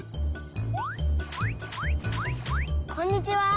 こんにちは。